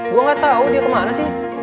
gue gak tau dia kemana sih